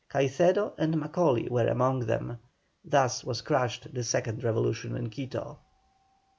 Caicedo and Macaulay were among them. Thus was crushed the second revolution in Quito.